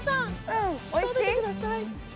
おいしい？